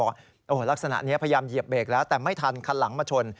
โอ้โหลักษณะนี้พยายามเหยียบเบรกแล้วแต่ไม่ทันคันหลังมาชน